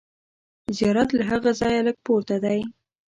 زیارت له هغه ځایه لږ پورته دی.